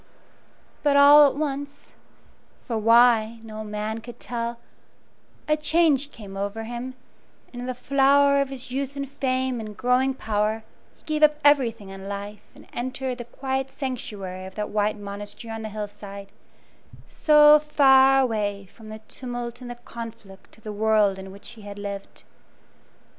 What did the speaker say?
But all at once for why, no man could tell a change came over him, and in the flower of his youth and fame and growing power he gave up everything in life and entered the quiet sanctuary of that white monastery on the hill side, so far away from the tumult and the conflict of the world in which he had lived.